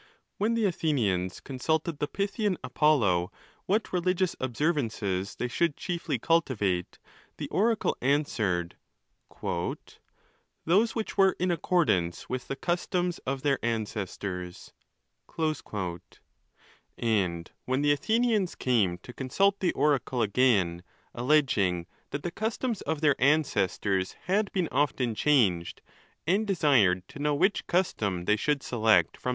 When the Athenians consulted the Pythian Apollo what religious observances they sKould chiefly cultivate, the oracle answered, " Those which were in accordance with the customs of their ancestors." And when the Athenians came to consult the oracle again, alleging that the customs of their ancestors had been often changed, and desired to know which custom they should select from ON THE LAWS.